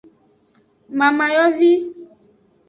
Mamayovi.